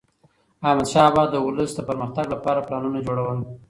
احمدشاه بابا به د ولس د پرمختګ لپاره پلانونه جوړول.